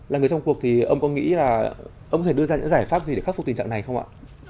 là người trong cuộc thì ông có nghĩ là ông có thể đưa ra những giải pháp gì để khắc phục tình trạng này không ạ